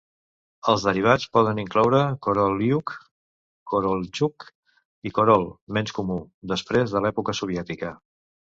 Els derivats poden incloure Korolyuk, Korolchuk i Korol (menys comú) després de l'època soviètica.